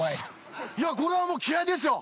これはもう気合ですよ